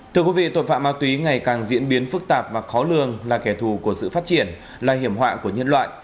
thưa quý vị tội phạm ma túy ngày càng diễn biến phức tạp và khó lường là kẻ thù của sự phát triển là hiểm họa của nhân loại